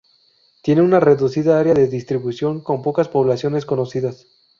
Tiene una reducida área de distribución con pocas poblaciones conocidas.